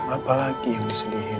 apa lagi yang disedihin